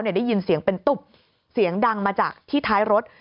ได้ยินเสียงเป็นตุ๊บเสียงดังมาจากที่ท้ายรถ